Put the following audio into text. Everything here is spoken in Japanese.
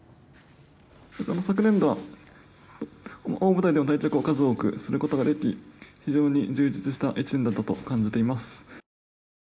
昨年度は大舞台での対局を数多くすることができ非常に充実した１年だったと感じています。